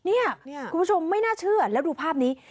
คุณผู้ชมไม่น่าเชื่อแล้วดูภาพนี้